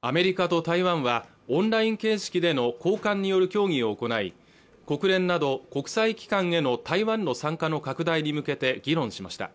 アメリカと台湾はオンライン形式での高官による協議を行い国連など国際機関への台湾の参加の拡大に向けて議論しました